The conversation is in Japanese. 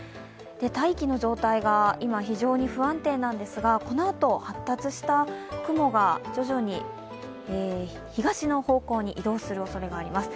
大気の状態が今、非常に不安定なんですが、このあと、発達した雲が徐々に東の方向に移動するおそれがあります。